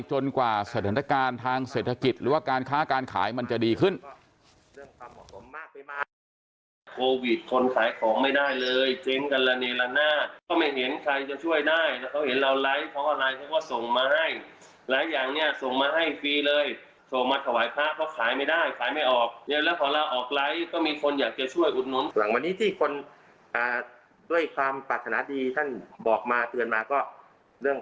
กว่าสถานการณ์ทางเศรษฐกิจหรือว่าการค้าการขายมันจะดีขึ้น